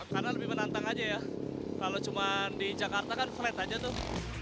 karena lebih menantang aja ya kalau cuma di jakarta kan flat aja tuh